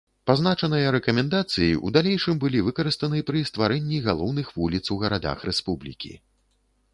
Пазначаныя рэкамендацыі ў далейшым былі выкарыстаны пры стварэнні галоўных вуліц у гарадах рэспублікі.